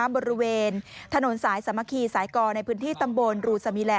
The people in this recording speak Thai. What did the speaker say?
บริเวณถนนสายสามัคคีสายกอในพื้นที่ตำบลรูสมิแล